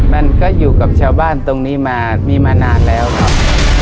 มันก็อยู่กับชาวบ้านตรงนี้มามีมานานแล้วครับ